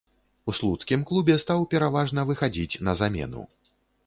У слуцкім клубе стаў пераважна выхадзіць на замену.